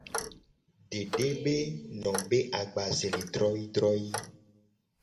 Dede be no be agbaze le droyii droyii.